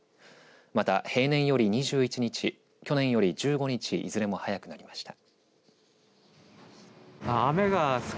また平年より２１日、去年より１５日いずれも早くなりました。